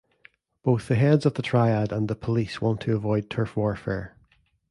Both the heads of the Triad and the police want to avoid turf warfare.